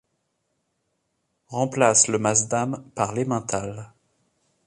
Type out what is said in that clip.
Remplace le maasdam par l’emmental.